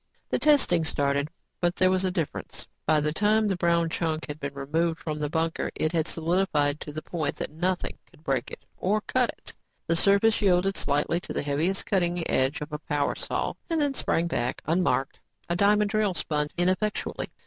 The testing started. But there was a difference. By the time the brown chunk had been removed from the bunker it had solidified to the point that nothing would break or cut it. The surface yielded slightly to the heaviest cutting edge of a power saw and then sprang back, unmarked. A diamond drill spun ineffectually.